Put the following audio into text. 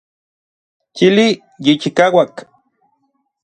Chili yichikauak.